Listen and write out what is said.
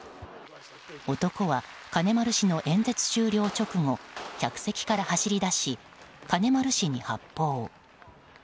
男は金丸氏の演説終了直後客席から走り出し金丸氏に発砲。